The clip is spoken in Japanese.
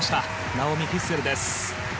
ナオミ・フィッセルです。